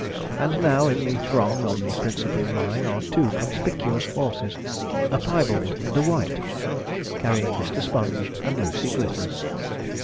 And now in the throng on the principal line are two conspicuous horses a piebald and a white carrying Mr. Sponge and Lucy Glitters.